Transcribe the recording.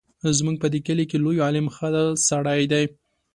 زموږ په دې کلي کې لوی عالم دی ښه سړی دی.